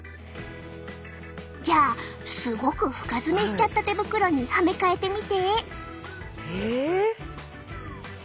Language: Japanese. じゃあすごく深爪しちゃった手袋にはめ替えてみて。